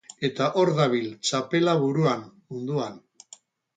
Eta hor dabil, txapela buruan, munduan.